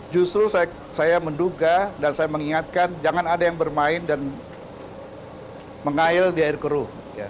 justru saya menduga dan saya mengingatkan jangan ada yang bermain dan mengail di air keruh